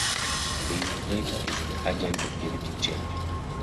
The "innovator" is the agent of genetic change.